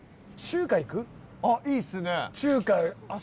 あっいいっすね。